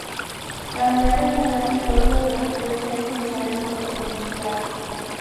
La unidad regional de todos los partidos era esencial en votaciones clave.